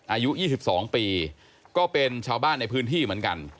อายุ๒๒ปีก็เป็นชาวบ้านในพื้นที่เหมือนกัน